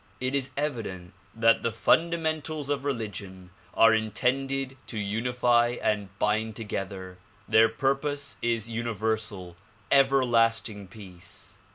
It is evident that the fundamentals of religion are intended to unify and bind together ; their purpose is universal, everlasting peace.